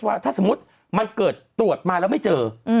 ว่าถ้าสมมุติมันเกิดตรวจมาแล้วไม่เจอ